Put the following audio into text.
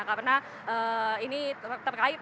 karena ini terkait dengan jalur lalu lintas